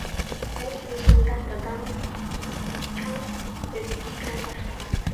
بەش يېشىمدا دادام چاڭ ئۆگىتىشكە باشلىغان.